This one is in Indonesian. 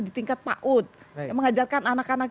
di tingkat pak ut mengajarkan anak anak